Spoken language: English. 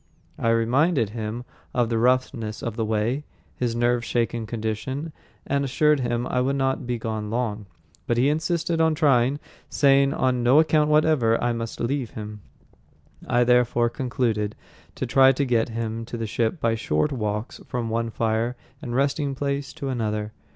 I reminded him of the roughness of the way, his nerve shaken condition, and assured him I would not be gone long. But he insisted on trying, saying on no account whatever must I leave him. I therefore concluded to try to get him to the ship by short walks from one fire and resting place to another.